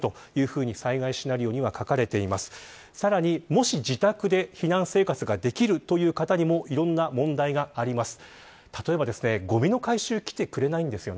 もし、自宅で避難生活ができる方にもいろんな問題があります。